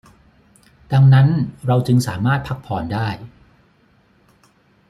ดังนั้นเราจึงสามารถพักผ่อนได้